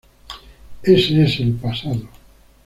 Ese es el pasado.